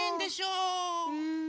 うん。